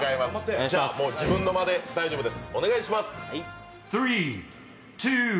自分の間で大丈夫です。